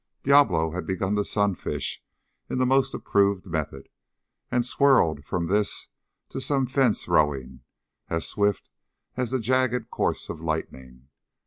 Diablo had begun to sunfish in the most approved method, and swirled from this to some fence rowing as swift as the jagged course of lightning.